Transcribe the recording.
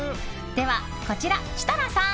こちら、設楽さん